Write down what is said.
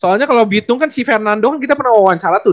soalnya kalau bitung kan si fernando kan kita pernah wawancara tuh